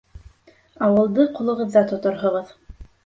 Ауылды ҡулығыҙҙа тоторһоғоҙ.